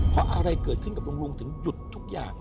เพราะอะไรเกิดขึ้นกับลุงลุงถึงหยุดทุกอย่าง